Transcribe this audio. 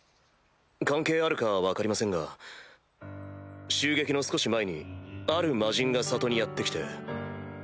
関係あるか分かりませんが襲撃の少し前にある魔人が里にやって来て。